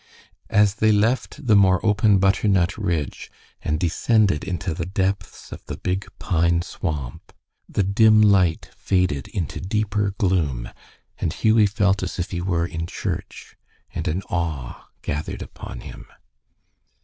As they left the more open butternut ridge and descended into the depths of the big pine swamp, the dim light faded into deeper gloom, and Hughie felt as if he were in church, and an awe gathered upon him.